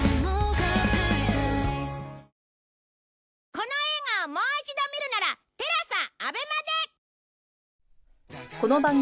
この映画をもう一度見るならＴＥＬＡＳＡＡＢＥＭＡで！